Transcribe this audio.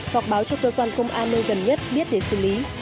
hoặc báo cho cơ quan công an nơi gần nhất biết để xử lý